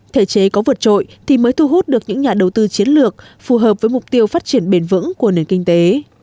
thể chế có vượt trội thì mới thu hút được những nhà đầu tư chiến lược phù hợp với mục tiêu phát triển bền vững của nền kinh tế